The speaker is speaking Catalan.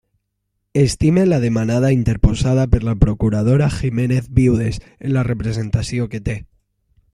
Estime la demanada interposada per la procuradora Giménez Viudes, en la representació que té.